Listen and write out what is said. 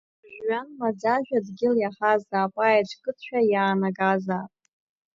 Жәҩан маӡажәа дгьыл иаҳазаап, аеҵә кыдшәа иаанагазаап.